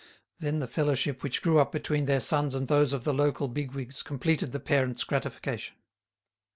Then the fellowship which grew up between their sons and those of the local big wigs completed the parents' gratification.